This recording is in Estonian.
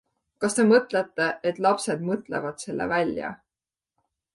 Kas te mõtlete, et lapsed mõtlevad selle välja?